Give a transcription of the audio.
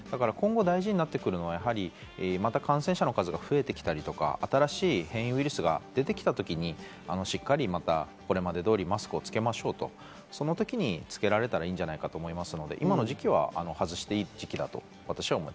今後、大事になってくるのは感染者の数が増えてきたりとか、新しい変異ウイルスが出てきたときに、しっかり、これまで通りマスクをつけましょうと、その時につけられたらいいんじゃないかなと思います。